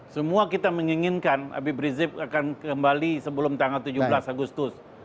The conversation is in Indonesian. semua kita menginginkan habib rizik akan kembali sebelum tanggal tujuh belas agustus